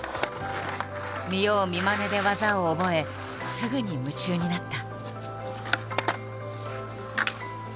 見よう見まねで技を覚えすぐに夢中になった。